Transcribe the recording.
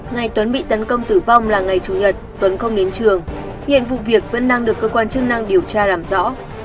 ngày tuấn bị tấn công tử vong là ngày chủ nhật tuấn không đến trường hiện vụ việc vẫn đang được cơ quan chức năng điều tra làm rõ